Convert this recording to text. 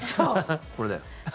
これだよ。